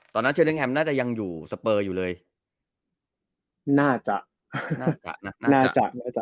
ตอนนั้นเชลเลี้แฮมน่าจะยังอยู่สเปอร์อยู่เลยน่าจะน่าจะน่าจะน่าจะ